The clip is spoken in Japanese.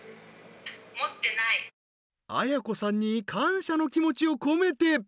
［絢子さんに感謝の気持ちを込めて］